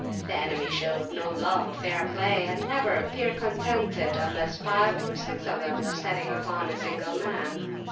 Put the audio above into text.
The enemy showed no love of fair play, and never appeared contented unless five or six of them were setting upon a single man.